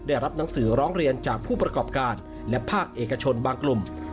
ได้รับหนังสือร้องเรียนจากผู้ประกอบการและภาคเอกชนบางกลุ่ม